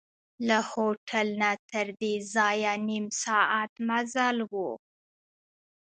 له هوټل نه تردې ځایه نیم ساعت مزل و.